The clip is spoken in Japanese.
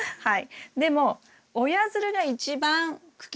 はい。